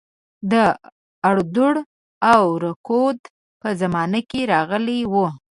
د اړودوړ او رکود په زمانه کې راغلی وو.